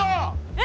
え！